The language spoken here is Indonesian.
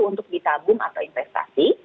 untuk ditabung atau investasi